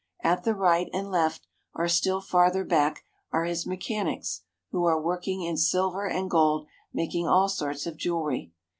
At the right and left, or still farther back, are his mechanics, who are working in silver and gold, making all sorts of jewellery.